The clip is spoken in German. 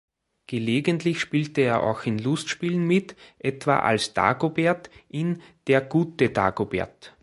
Gelegentlich spielte er auch in Lustspielen mit, etwa als „Dagobert“ in „Der gute Dagobert“.